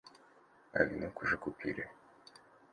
А венок уже купили.